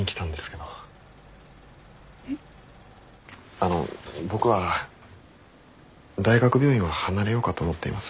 あの僕は大学病院は離れようかと思っています。